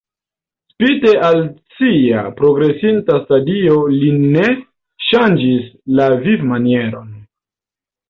Spite al sia progresinta stadio li ne ŝanĝis la vivmanieron.